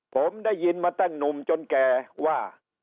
ผมได้ยินมาตั้งหนุ่มจนแก่ว่า